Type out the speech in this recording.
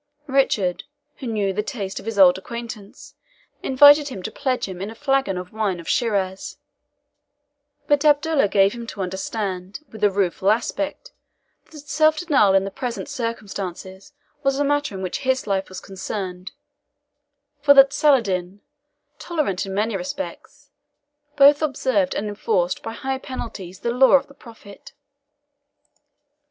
Richard, who knew the taste of his old acquaintance, invited him to pledge him in a flagon of wine of Shiraz; but Abdallah gave him to understand, with a rueful aspect, that self denial in the present circumstances was a matter in which his life was concerned, for that Saladin, tolerant in many respects, both observed and enforced by high penalties the laws of the Prophet.